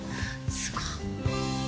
すごっ。